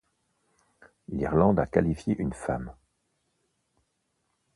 L'Irlande a qualifié une femme.